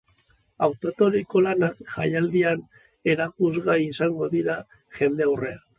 Hautaturiko lanak, jailadian erakusgai izango dira jendaurrean.